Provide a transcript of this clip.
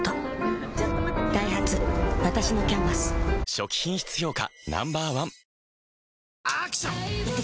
初期品質評価